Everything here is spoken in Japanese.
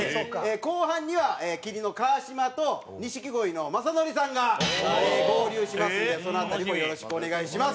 後半には麒麟の川島と、錦鯉の雅紀さんが合流しますので、その辺りもよろしくお願いします。